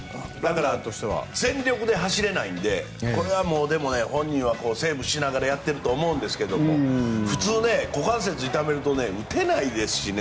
全力で走れないのでこれは本人もセーブしながらやっていると思うんですが普通、股関節を痛めると打てないですし